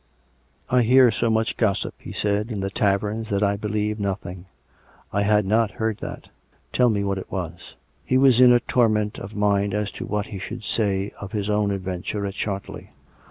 " I hear so much gossip," he said, " in the taverns, that I believe nothing. I had not heard that. Tell me what it was." He was in a torment of mind as to what he should say of his own adventure at Chartley.